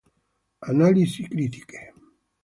Analisi critiche